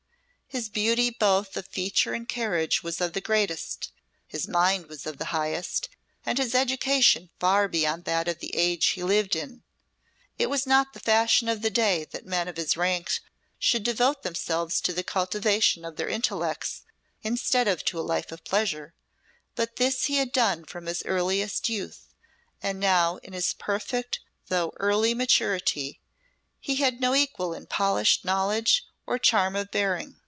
His beauty both of feature and carriage was of the greatest, his mind was of the highest, and his education far beyond that of the age he lived in. It was not the fashion of the day that men of his rank should devote themselves to the cultivation of their intellects instead of to a life of pleasure; but this he had done from his earliest youth, and now, in his perfect though early maturity, he had no equal in polished knowledge and charm of bearing.